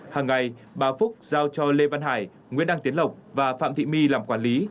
hàng ngày bà phúc giao cho lê văn hải nguyễn đăng tiến lộc và phạm thị my làm quản lý